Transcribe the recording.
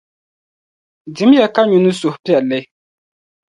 Dim ya ka nyu ni suhupiɛlli.